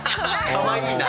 かわいい。